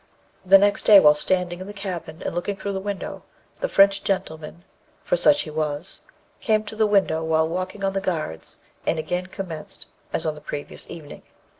"The next day, while standing in the cabin and looking through the window, the French gentleman (for such he was) came to the window while walking on the guards, and again commenced as on the previous evening.